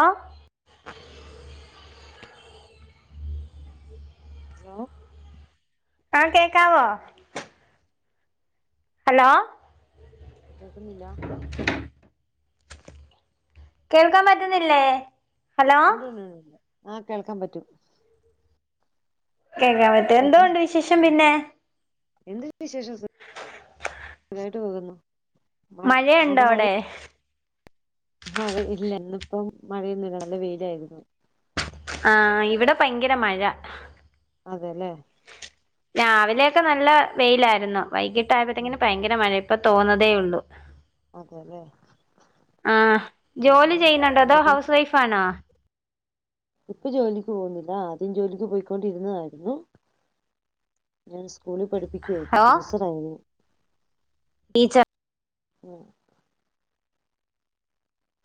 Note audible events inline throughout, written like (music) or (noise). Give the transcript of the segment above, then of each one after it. ആഹ് hello ആഹ് കേക്കാവോ? Hello കേക്കുന്നില്ലാ? (inaudible) കേൾക്കാൻ പറ്റുന്നില്ലെ? ഉണ്ട് ഉണ്ട് ഉണ്ട്ണ്ട് ആഹ് കേൾക്കാൻ പറ്റും കേൾക്കാൻ പറ്റും എന്തോണ്ട് വിശേഷം പിന്നെ? എന്ത് വിശേഷം സു സുഖായിട്ട് പോകുന്നു മഴ മഴയുണ്ടോ അങ്ങോട്ട് മഴ അവിടെ മഴ ഇല്ല ഇന്ന് ഇപ്പം മഴയൊന്നും ഇല്ല നല്ല വെയിലായിരുന്നു ആഹ് ഇവ്ടെ ഭയങ്കര മഴ അതെ ലെ രാവിലെ ഒക്കെ നല്ല വെയിലായിരുന്നു വൈകിട്ട് ഉം ആയപ്പോത്തങ്ങിനും ഭയങ്കര മഴെം ഇപ്പ തോന്നതെ ഒള്ളു അതെല്ലേ ആഹ് ജോലി ഉം ചെയ്യുന്നുണ്ടോ? അതോ ഇങ്ങോട്ടും ഹൗസ് വൈഫ് ആണോ? ഇപ്പം ജോലിക്ക് പോകുന്നില്ല ആദ്യം ജോലിക്ക് പോയി കൊണ്ട് ഇരുന്നതായിരുന്നു ഞാൻ സ്കൂളിൽ പഠിപ്പിക്കുവായിരുന്നു ഹലോ ടീച്ചർ ആയിരുന്നു ടീച്ചർ ഉം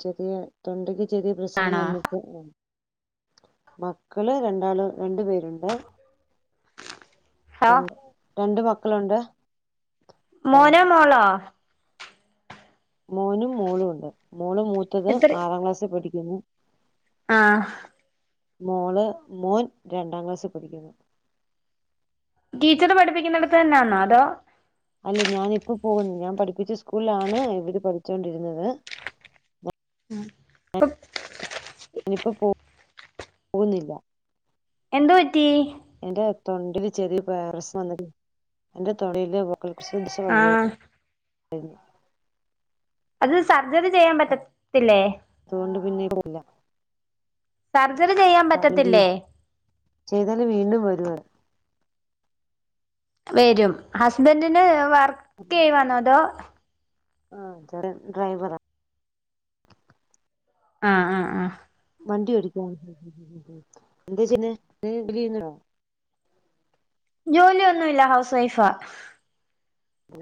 ചെറിയ തൊണ്ടക്ക് ചെറിയ പ്രശ്നം ആണോ വന്നു (unintelligible) മക്കൾ രണ്ടാൾ രണ്ട് പേര് ഇണ്ട് ഹലോ രണ്ട് രണ്ട് മക്കളുണ്ട് ആഹ് മോനാ മോളോ? മോനും മോളും ഒണ്ട് മോള് മൂത്തത് ആറാം ക്ലാസ്സി പഠിക്കുന്നു ആഹ് മോള് മോൻ രണ്ടാം ക്ലാസ്സി പഠിക്കുന്നു ടീച്ചറ് പഠിപ്പിക്കുന്നിടത്ത് തന്നെയാന്നോ അതോ അല്ല ഞാനിപ്പ പോകുന്നു ഞാൻ പഠിപ്പിച്ച സ്കൂളിലാണ് ഇവര് പഠിച്ചോണ്ടിരുന്നത് അ ഇനിപ്പോ പോ കുന്നില്ല എന്ത്പറ്റി എന്റെ തൊണ്ടില് ചെറിയ വയറസ് വന്നിട്ട് എന്റെ തൊണ്ടില് ആ (unintelligible) (unintelligible) അത് സർജറി ചെയ്യാൻ പറ്റ ത്തില്ലേ അത് കൊണ്ട് പിന്നെ സർജറി ചെയ്യാൻ പറ്റത്തില്ലേ (unintelligible) ചെയ്താല് വീണ്ടും വരുവ വരും ഹസ്ബൻഡിന് വർക്കെയ്യുവന്നോ അതോ ഉം ചെറിയ ഡ്രൈവറാ ആഹ് അഹ് അഹ് വണ്ടി ഓടിക്കാ എന്താ ചെയ്യുന്നേ എന്തെങ്കിലും ജോലി (unintelligible) ജോലി ഒന്നുല്ല ഹൗസ് വൈഫാ (unintelligible)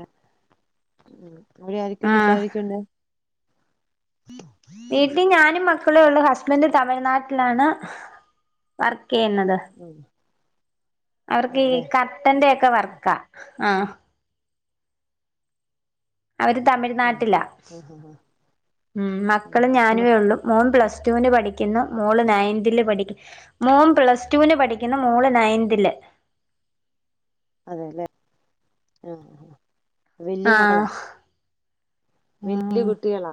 അവിടെ ആരെക്കെ ണ്ട് ആഹ് വീട്ടിലരെക്കെണ്ട് ഉ വീട്ടി ഞാനും മക്കളു ഒള്ളൂ ഹസ്ബൻഡ് തമിഴ്നാട്ടിലാണ് വർക്കെയ്യുന്നത് ആ അവർക്ക് ഈ കർട്ടന്റെ ഒക്കെ വർക്കാ ആഹ് അവര് ആ തമിഴ്നാട്ടില ആ ആ ആ ഉം ഉം മക്കളും മക്കള് ഞാനുവേ ഒള്ളൂ മോൻ പ്ലസ് ടുവിന് പഠിക്കിന്നു മോള് നയൻ ത്തില് പഠിക് മോൻ പ്ലസ് ടുവിന് പഠിക്കുന്നു മോള് നയന്തില് അതെല്ലേ ആഹ് വെല്യ മകളാ ആഹ് വല്യ കുട്ടികളാ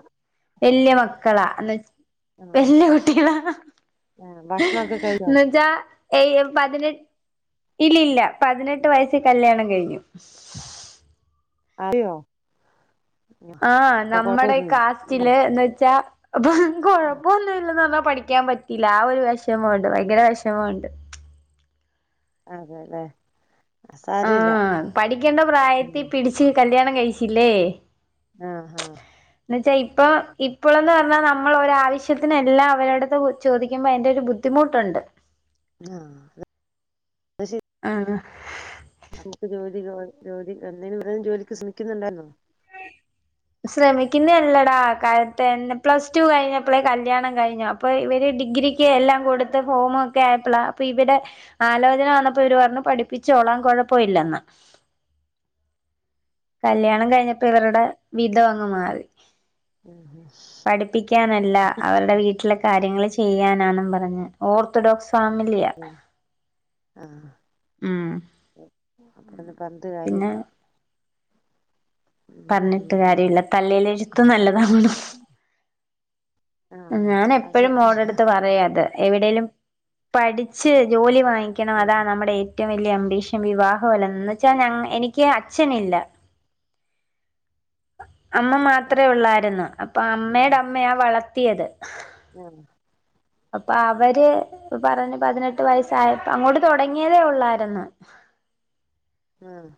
വെല്യ മക്കളാ (unintelligible) വല്യ കുട്ടികളാ ആഹ് ഭക്ഷണം ഒക്കെ കഴിഞ്ഞോ? എഹ് ഇ പതിനെ ഇല്ലല്ല പതിനെട്ട് വയസ്സി കല്യാണം കഴിഞ്ഞു (unintelligible) ആഹ് അപ്പൊ നമ്മടെ ഈ കൊഴപ്പൊന്നുല്ല കാസ്റ്റില് എന്നു വെച്ചാ അപ്പൊ കൊഴപ്പൊന്നും ഇല്ലന്ന് പറഞ്ഞ പഠി ക്കാൻ പറ്റില്ല ആഹ് ഒരു വെഷമം ഒണ്ട് ഭയങ്കര വിഷമോണ്ട് അതെല്ലേ സാരല്ല ആഹ് പഠിക്കേണ്ട പ്രായത്തി ഉം പിടിച്ച് കല്യാണം കഴിച്ചില്ലേ ആഹ് ആഹ് ന്നു വെച്ചാ ഇപ്പ ഇപ്പളെന്നു പറഞ്ഞാ നമ്മള് ഒരാവിശ്യത്തിനല്ല അവരെടുത്ത് ചോദിക്കുമ്പോ അതിന്റെ ഒരു ബുദ്ധ് ദ്ധിമുട്ടുണ്ട്. ആഹ് ആഹ് ആഹ് നമുക്ക് ജോലി ജോലി എന്തെങ്കിലു ജോലിക്ക് ശ്രമിക്കുന്നുണ്ടാര്ന്നോ മ ശ്രമിക്കുന്ന അല്ലടാ കാലത്തെ പ്ലസ് ടു കഴിഞ്ഞപ്പളെ കല്യാണം കഴിഞ്ഞു അപ്പോൾ ഇവര് ഡിഗ്രിക്ക് എല്ലാം കൊടുത്ത് ഫോമൊക്കെ ആയപ്പളാ ഇപ്പോ ഇവിടെ ആലോചന വന്നപ്പോ ഇവര് പറഞ്ഞു പഠിപ്പിച്ചോളാ കൊഴപ്പ ഇല്ലെന്ന് കല്യാണം കഴിഞ്ഞപ്പോ ഇവരുടെ വിധ അങ്ങ് മാറി ഉം ഉം പഠിപ്പിക്കാനല്ല അവരുടെ വീട്ടിലെ കാര്യങ്ങള് ചെയ്യാനാന്നും പറഞ്ഞ് ഓർത്തഡോക്സ് ഫാമിലിയ ആഹ് അപ്പ പിന്നെ പറഞ്ഞിട്ട് പിന്നെ കാര്യല്ല ഉം ഉം പറഞ്ഞിട്ട് ഉം കാര്യല്ല തലേലെഴുത്ത് നല്ലതാവണം ആ ഞാന് അത് എപ്പഴും സത്യ മോടെ അടുത്ത് പറയും അത് എവിടേലും പഠിച്ച് ജോലി വാങ്ങിക്കണം ആ അതാ നമ്മുടെ ഏ റ്റവും വലിയ അമ്പീഷൻ വിവാഹം അല്ലഎന്നു വെച്ചാൽ എനിക്ക് അച്ഛനില്ല അമ്മ ആ മാത്രേ ഉള്ളായിരുന്നു അപ്പൊ അമ്മയുടെ അമ്മയാ വളർത്തിയത് ആഹ് അപ്പൊ അവര് പറഞ്ഞ് പതിനെട്ട് വയസ്സായപ്പോ അങ്ങോട്ട് തുടങ്ങിയതേ ഉള്ളായിരുന്ന് ആഹ്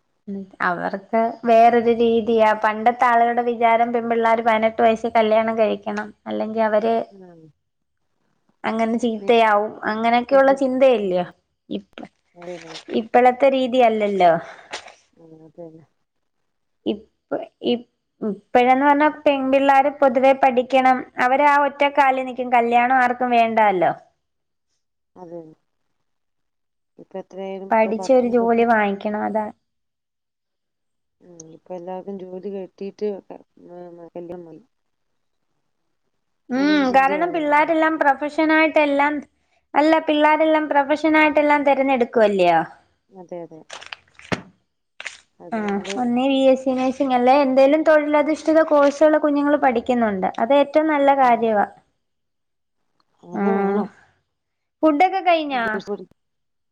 അവർക്ക് വേറൊരു രീതിയ പണ്ടത്തെ ആളുകളുടെ വിചാരം പെൺപിള്ളേര് പതിനെ ട്ട് വയസ്സിൽ കല്യാണം കഴിക്കണം അല്ലെങ്കി അവര് (unintelligible) അങ്ങനെ ചീത്തയാവും ആ അങ്ങനക്കെയുള്ള ചിന്തയല്ലയോ ഇപ്പ അതന്നെ ഇപ്പളത്തെ രീതിയല്ലല്ലോ ആഹ് അതന്നെ ഇപ്പ ഇപ്പ ഇപ്പഴന്നാ പറഞ്ഞ ഉം. പെൺ പെൺ പിള്ളേർ പൊതുവേ പഠിക്കണം അവര് ആ ഒറ്റക്കാലെ നിൽക്കും കല്യാണം ആർക്കും വേണ്ടാല്ലോ അതെന്നെ ഇപ്പ എത്രയാലും ഇപ്പ പഠിച്ച് പത്ത് ഒരു മുപ്പത് ജോലി വാങ്ങിക്കണം അതാണ് ഉം ഇപ്പ എല്ലാർക്കും ജോലി കിട്ടീട്ട് കല്യാണം മതി ഉം അങ്ങനൊരു കാരണം ചിന്തയാണല്ലോ പിള്ളേരെല്ലാം പ്രൊഫഷ പ്രൊഫഷനായിടെല്ലാം അല്ല പിള്ളാരെല്ലാം പ്രൊഫഷനായിട്ടെല്ലാം തിരഞ്ഞെടുക്കുവല്ലിയോ അതെ അതെ ആഹ് അതുകൊണ്ട് ഒന്നേ ബി എസ് സി നേഴ്സി ങ്ങല്ലേ എന്തേലും തൊഴിലധിഷ്ഠിത കോഴ്സുകൾ കുഞ്ഞുങ്ങള് പഠിക്കുന്നുണ്ട് അതേറ്റവും നല്ല ഉം കാര്യവാ അങ്ങനെ വേണം ഫുഡ്‌ ഒക്കെ (unintelligible)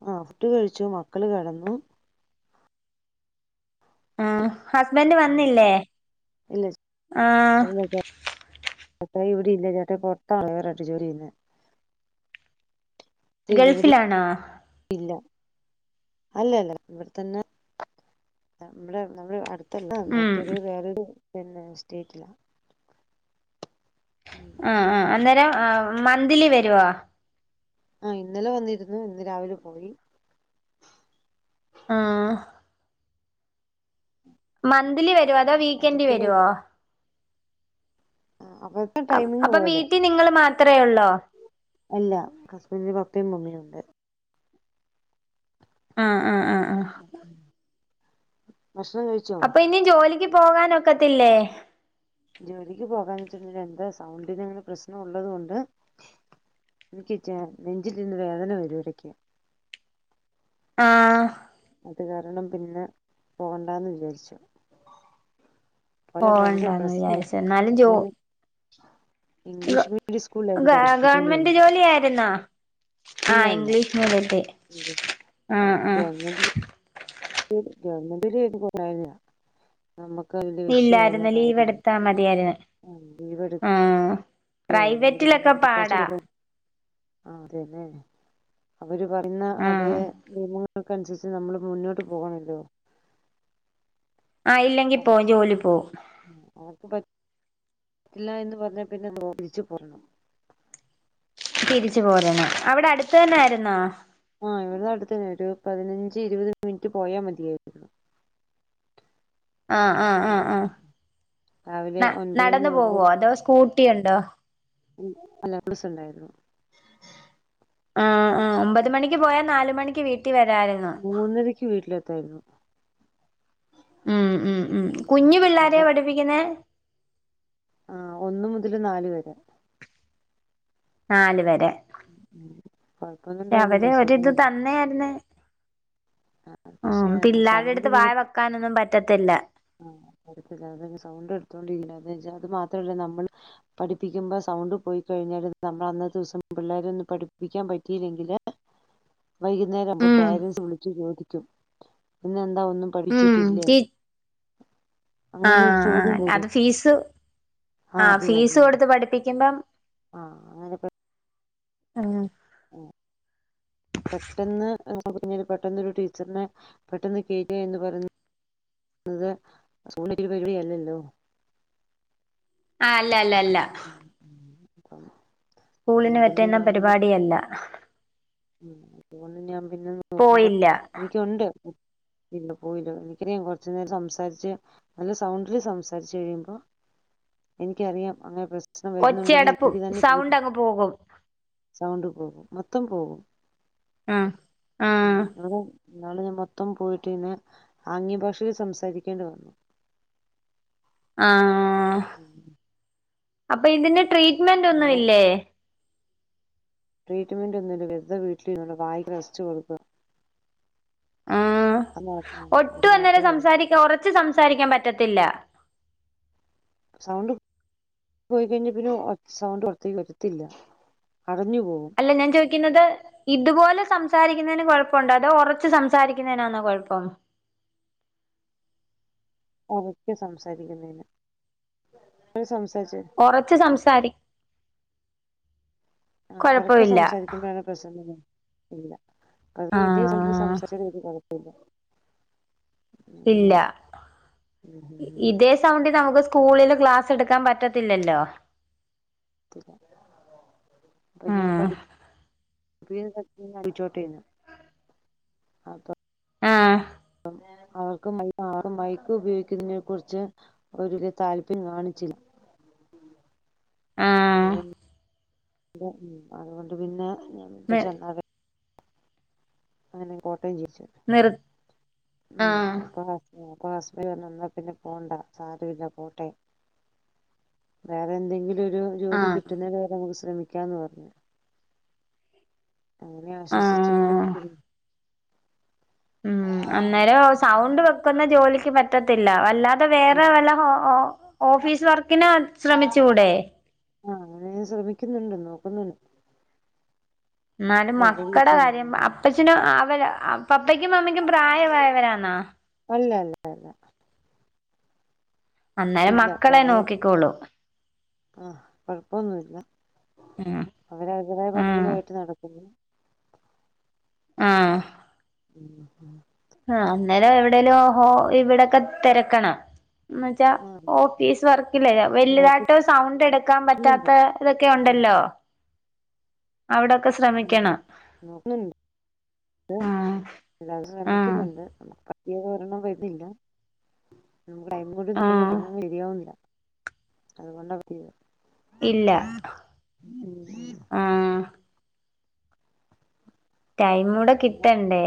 ആ ഫുഡ് കഴിച്ചു മക്കള് കെടന്നു ആഹ് ഹസ്ബൻഡ് വന്നില്ലേ ഇല്ല ആഹ് ഇപ്പ ഇവിട ഇല്ല ചേട്ട പൊറത്താണ് വേറാട്ട് ജോലി ചെയ്യന്നെ ഇല്ല ഇവിടെ ഗൾഫിലാണോ ഇല്ല അല്ല അല്ല ഇവിടെ തന്നെ നമ്മ നമ്മള് അടു ത്തല്ല ഉം മറ്റൊരു വേറൊരു പിന്നെ സ്റ്റേറ്റിലാ ഉം ആഹ് ആഹ് അന്നേരം ആ മന്ത്ലി വരുവോ ആഹ് ഇന്നലെ വന്നിരുന്നു ഇന്ന് രാവിലെ പോയി ആഹ് മന്ത്ലി വരോ അതോ വീക്കെന്റ് എടക്ക് വരോ? വരും ആ അവിടുത്തെ അ ടൈമിങ് അപ്പ പോലെ വീട്ടീ നിങ്ങള് മാത്രേ ഒള്ളോ അല്ല ഹസ്ബന്റിന്റെ പപ്പേം മമ്മീം ഉണ്ട്. ആ ആ ആ ആ ഭക്ഷണം കഴി അപ്പ ഇനി ജോലിക്ക് പോവാനൊക്കത്തില്ലേ ജോലിക്ക് പോകാന്ന് വെച്ചിട്ടുണ്ടെങ്കി എന്റെ സൗണ്ട് ന് അങ്ങനെ പ്രശ്നം ഉള്ളത് കൊണ്ട് ഇനിക്കി ച്ചാ നെഞ്ചിലിരുന്ന് വേദന വരും എടക്ക് ആഹ് അത് കാരണം പിന്നെ പോണ്ടാന്ന് വിചാര്ച്ചു. ഓലത് ഭയങ്കര പോവണ്ടാന്ന് പ്രശ്ന വിചാരിച്ചു എന്നാലും ജോ അങ്ങെനെ ഇംഗ്ലീഷ് മീഡിയം ഗ സ്കൂൾലായിരുന്ന് ഗവൺമെന്റ് പഠിപ്പിചോണ്ടിര്ന്നത്. ജോലി ആയിരുന്നോ ആ അല്ലല്ല ഇംഗ്ലീഷ് മീഡിയത്തി ആ ആ (unintelligible) ഗവൺമെന്റിലേന്ന് കൊറെ ഞാൻ നമ്മക്ക് ഇല്ലായിരുന്നു (unintelligible) ലീവ് കാര്യാണ് ലീവട്ക്ക ആ പ്രൈവറ്റിലൊക്ക പാടാ നമുക്ക് ആ അതെല്ലേ അവര് പറഴുന്ന അതേ ആഹ് നിയമ ക്കൻസര്ച്ച് നമ്മള് മുന്നോട്ട് പോണല്ലോ ആ ഇല്ലെങ്കി പോവും ജോലി പോവും. ഉം അവർക്ക് പ ഇല്ലാന്ന് എന്ന് പർഞ്ഞാ പിന്നെ (unintelligible) പോരണം തിരിച് പോരണം അവട അട്ത്ത് തന്നായ്ര്ന്നോ ആ ഇവട്ത്തന്നെ ഒരു പതിനഞ്ച് ഇരുപത് മിൻറ്റ് പോയാ മതിയായിരുന്നു. ആ ആ ആ ആ ന രാവിലെ ഒൻപത് നടന്ന് മണിയാകുമ്പോ പോവോ അതോ സ്കൂട്ടിയുണ്ടോ ഉം അല്ല ബസ് ഉണ്ടായിരുന്നു. ആ ആ ഒമ്പത് മണിക്ക് പോയാ നാല് മണിക്ക് വീട്ടി വരാലോ മൂന്നരയ്ക്ക് വീട്ടിലെത്തായിരുന്നു. ഉം ഉം ഉം കുഞ് നല്ല പിള്ളാരെയാ പഠിപ്പിക്ന്നെ ആ ഒന്ന് മുതല് നാല് വരെ നാല് വരെ ഉം കൊഴപ്പന്നുണ്ടായിരുന്നില്ല സുഗായിരുന്നു എന്നെയാര്ന്ന് ഉം പക്ഷെ സൗണ്ട് പിള്ളാരട്ത്ത് വായ വെക്കാനൊന്നും പറ്റത്തില്ല ആ (unintelligible) അതല്ല സൗണ്ട് എട്ത്തോണ്ടിരിക്കല്ലെ എന്ന് വെച്ച അത് മാത്രല്ല നമ്മള് പഠിപ്പിക്കുമ്പോ സൗണ്ട് പോയി കഴിഞ്ഞാല് നമ്മള അന്നത്തെ ദിവസം പിള്ളാരൊന്ന് പഠിപ്പിക്കാൻ പറ്റിഴില്ലെങ്കില് വൈകുന്നേരാവ്മ്പം ഉം പേരൻസ് വിളിച്ച് ചോദിക്കും ഇന്നെന്താ ഒന്നും ഉം പഠിച്ചിട്ടില്ലേ ആ അങ്ങനെ ഒരു ചോദ്യം അത് വരും ഫീസ് ആ ആഹ് ഫീസ് കൊടുത്ത് പഠിപ്പിക്കിമ്പം ആ അങ്ങനെ പ ആ ആ ഉം പെട്ടെന്ന് പിന്നീട് പെട്ടെന്നൊരു ടീച്ചർനെ പെട്ടെന്ന് കേറ്റി കയിഞ്ഞ് (unintelligible) ഇത് സൂക്കൂളില് (unintelligible) പരിവാടിയല്ലല്ലോ ആ അല്ല അല്ല അല്ല ഉം ഉം അത സ്കൂളിന് പറ്റ്ന്ന പരിപാടിയല്ല ഉം അതുകൊണ്ട് ഞാപിന്നെ നോക്മ്പ പോയില്ല എനിക്കൊണ്ട് ല്ല പോല്ലോ എനിക്കറ ൻ കുറച്ചു നേരം സംസാരിച്ച് (unintelligible) നല്ല സൗണ്ടലി സംസാരിച്ചു കഴിയുമ്പോ എനിക്കറിയാം അങ്ങനെ പ്രശനം വരുന്നുണ്ടെന്ന് ഒച്ചയടപ്പും എനിക്ക് തന്നെ സൗണ്ട് അങ്ങ് പോകും സൗണ്ട് പോകും മൊത്തം പോകും ആഹ് ഉം അടെ ഇന്നാള് ഞാൻ മൊത്തം പോയിട്ട് പിന്നെ ആംഗ്യ ഭാഷയിൽ സംസാരിക്കേണ്ടി വന്നു ആഹ് ഉം അപ്പൊ ഇതിന് ട്രീറ്റ്മെന്റ് ഒന്നും പിന്നെ ഇല്ലേ ട്രീറ്റ്മെന്റ് ഒന്നുല്ല വെറുത വീട്ടിൽ വായിക്ക് റെസ്റ്റ് കൊടുക്ക ആഹ് (unintelligible) മാത്ര വെരും കുറച്ച് സംസാരിക്കാൻ പറ്റത്തില്ല സൗണ്ട് പോയിക്കഴിഞ്ഞാ പിന്നെ സൗണ്ട് പുറത്തേക്ക് വരുത്തില്ല അടഞ്ഞു പോകും അല്ല ഞാൻ ചോയിക്കുന്നത് ഇതുപോലെ സംസാരിക്കുന്നതിന് കൊഴപ്പുണ്ടോ അതോ ഉറച്ച് സംസാരിക്കുന്നതിനാന്നോ കുഴപ്പം ഒറക്കെ സംസാരിക്കുന്നെന്ന് ഇപ്പോ സംസാരിച്ച ഒറച് സംസാരിക്ക ആ ഒറൊക്കെ കുഴപ്പമില്ല സംസാരിക്കുമ്പോഴാണ് പ്രശനന്ന് ല്ലെ ഇല്ല അത് ഇതേ ആഹ് സംസാരിച്ചാ ഒരു കൊഴുപ്പുല്ലാ ഇല്ല അങ്ങനെയാണോ ഉം സൗണ്ടി നമുക്ക് സ്കൂളിൽ ക്ലാസ് എടുക്കാൻ പറ്റത്തില്ലല്ലോ തില അപ്പൊ ഞാൻ ആഹ് പഠി (unintelligible) ച്ചോട്ടേന്ന് അപ്പൊ ആഹ് അവർക്ക് മൈക്ക് ഉപയോഗിക്കുന്നതിനെ കുറിച്ച് ഒരു താല്പര്യം കാണിച്ചില്ല അത് ആഹ് കൊണ്ട് അതുകൊണ്ട് പിന്നെ ഞ നി (unintelligible) അങ്ങനെ കോട്ടയം ജീച്ചു നിർ ആഹ് അപ്പൊ അപ്പൊ ഹസ്ബൻഡ് പറഞ്ഞു എന്ന പിന്നെ പോണ്ട സാരമില്ല പോട്ടെ വേറെ എന്തെങ്കിലും ഒരു ജോലി ആഹ് കിട്ടുന്ന വേറെ നമുക്ക് ശ്രമിക്കാംന്ന് പറഞ്ഞ് അങ്ങനെ ആശ്വസിച്ച ആഹ് ഇ ഉം അന്നേരം സൗണ്ട് വെക്കുന്ന ജോലിക്ക് പറ്റത്തില്ല വല്ലാ വേറെ വല്ല ഓഫീസ് വർക്കിന് ശ്രമിച്ചു കൂടെ ആ അങ്ങനെ ശ്രമിക്കുന്നുണ്ട് നോക്കുന്നുണ്ട് എന്നാലും വെറുതെ മക്കളുടെ കാര്യം വീട്ടില് അപ്പ അച്ഛ അവര് പപ്പക്കും അമ്മയ്ക്കും പ്രായമായവരാന്നാ അല്ല അല്ല അല്ല അന്നേരം ഇല്ല മക്കളെ നോക്കിക്കോളൂ ആ കുഴപ്പൊന്നുല്ല ആഹ് അവര് അവരുടെ പണികളുമായിട്ട് നടക്കുന്നു ആഹ് എന്നിട്ട് ആഹ് അന്നേരം എവിടേലും ഇവിടൊക്കെ തെരക്കണം എന്ന് വെച്ചാ ആഹ് ഓഫീസ് വർക്കിലേ വലുതായിട്ട് സൗണ്ട് എടുക്കാൻ പറ്റാത്ത നോക്കുന്നുണ്ട് ഇതൊക്കെ ഉം ഉണ്ടല്ലോ അവിടെക്കെ ഉം ശ്രമിക്കണം നോക്കുന്നുണ്ട് ആഹ് എല്ലാരും ആഹ് ശ്രമിക്കുന്നുണ്ട് നമുക്ക് പറ്റിയത് ഒരെണ്ണം വരുന്നില്ല നമക്ക് ടൈം കൂടി നോക്കുമ്പോ ആഹ് ടൈമൊന്നും ശരിയാവുന്നില്ല അതുകൊണ്ടാ ഇല്ല (unintelligible) ആഹ് ടൈമൂടെകിട്ടണ്ടേ?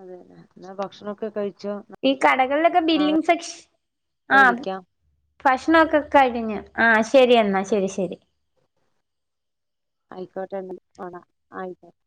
അതേലെ എന്നാ ഭക്ഷണൊക്കെ കഴിച്ചോ? ഈ കടകൾലൊക്കെ ബില്ലിങ്സെക്ഷ് നാളെ ആഹ് അത് വിളിക്കാം ഫക്ഷ്ണൊക്കെ കഴ്ഞ്ഞ് ആഹ് ശരിയന്നാ ശരി ശരി അയിക്കോട്ടെന്ന (unintelligible) അയിക്കോട്ടെ